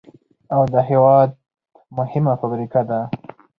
او د هېواد مهمه فابريكه ده،